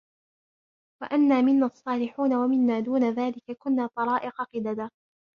وَأَنَّا مِنَّا الصَّالِحُونَ وَمِنَّا دُونَ ذَلِكَ كُنَّا طَرَائِقَ قِدَدًا